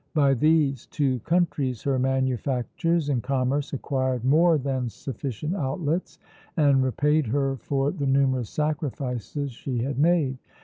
By these two countries her manufactures and commerce acquired more than sufficient outlets, and repaid her for the numerous sacrifices she had made.